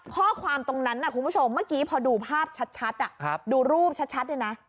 ข้อความตรงนั้นคุณผู้ชมเมื่อกี้พอดูภาพชัดดูรูปชัดเนี่ยนะ